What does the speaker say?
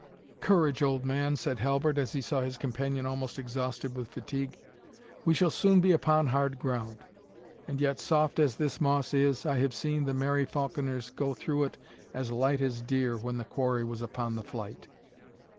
"Courage, old man," said Halbert, as he saw his companion almost exhausted with fatigue, "we shall soon be upon hard ground. And yet soft as this moss is, I have seen the merry falconers go through it as light as deer when the quarry was upon the flight."